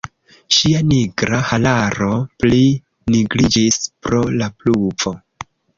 Ŝia nigra hararo pli nigriĝis pro la pluvo.